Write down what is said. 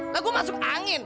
lah gua masuk angin